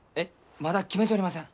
まだ決めちょりません。